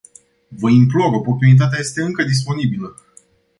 Vă implor, oportunitatea este încă disponibilă.